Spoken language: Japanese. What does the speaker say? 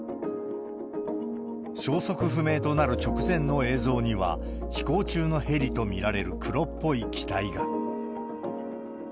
消息不明となる直前の映像には、飛行中のヘリと見られる黒っぽい期待が。